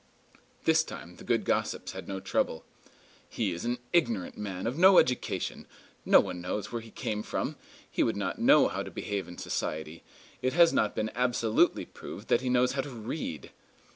This time the good gossips had no trouble. "He is an ignorant man, of no education. No one knows where he came from. He would not know how to behave in society. It has not been absolutely proved that he knows how to read."